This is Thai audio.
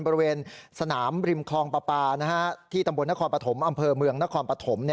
บริเวณสนามริมคลองปลาปลาที่ตำบลนครปฐมอำเภอเมืองนครปฐม